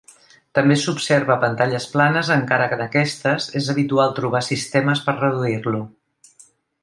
També s'observa a pantalles planes encara que en aquestes és habitual trobar sistemes per reduir-lo.